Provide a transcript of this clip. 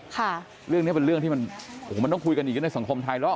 ค่ะเรื่องเนี้ยเป็นเรื่องที่มันโอ้โหมันต้องคุยกันอีกในสังคมไทยแล้ว